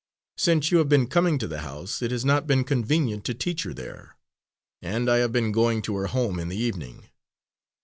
Since you have been coming to the house, it has not been convenient to teach her there, and I have been going to her home in the evening."